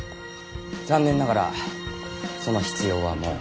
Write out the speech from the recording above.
残念ながらその必要はもう。